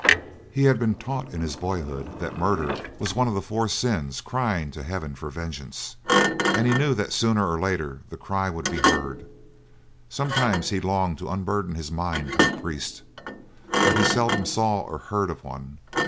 He had been taught in his boyhood that murder was one of the four sins crying to heaven for vengeance, and he knew that sooner or later the cry would be heard. Sometimes he longed to unburden his mind to a priest, but he seldom saw or heard of one.